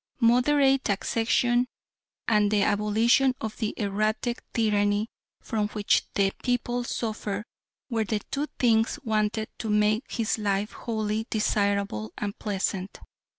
Moderate taxation and the abolition of the erratic tyranny from which the people suffered were the two things wanted to make his life wholly desirable and pleasant.